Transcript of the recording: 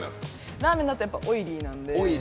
ラーメンだとオイリーなんで。